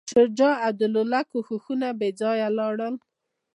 شجاع الدوله کوښښونه بېځایه ولاړل.